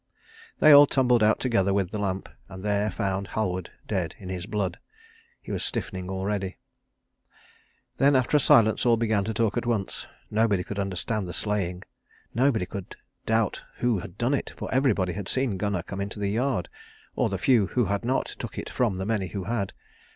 They all tumbled out together with the lamp, and there found Halward dead in his blood. He was stiffening already. Then, after silence, all began to talk at once. Nobody could understand the slaying, nobody could doubt who had done it, for everybody had seen Gunnar come into the yard, or the few who had not took it from the many who had.